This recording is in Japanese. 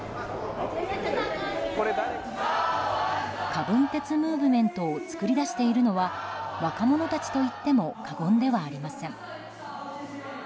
カ・ブンテツムーブメントを作り出しているのは若者たちといっても過言ではありません。